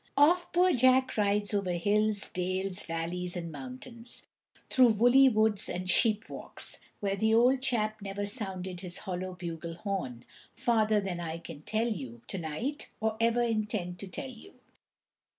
Off poor Jack rides over hills, dales, valleys, and mountains, through woolly woods and sheepwalks, where the old chap never sounded his hollow bugle horn, farther than I can tell you to night or ever intend to tell you.